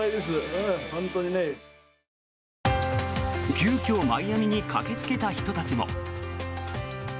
急きょマイアミに駆けつけた人たちも。